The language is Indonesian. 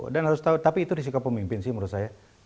dan harus tahu tapi itu risiko pemimpin sih menurut saya